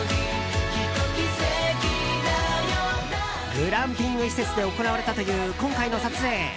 グランピング施設で行われたという今回の撮影。